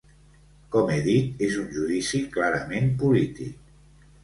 Com he dit, és un judici clarament polític.